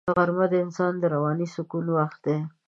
غرمه د انسان د رواني سکون وخت دی